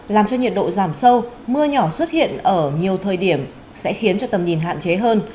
làm cho nhiệt độ giảm sâu mưa nhỏ xuất hiện ở nhiều thời điểm sẽ khiến cho tầm nhìn hạn chế hơn